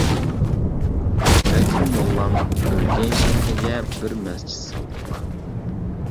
بەكرى موللام ئۆلگەي شەھىرىگە بىر مەسچىت سالدۇرغان.